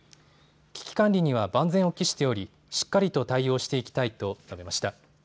危機管理には万全を期しておりしっかりと対応していきたいと述べました。